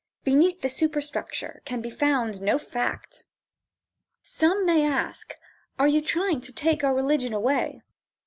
Beneath the superstructure can be found no fact. Some may ask, "Are you trying to take our religion away?"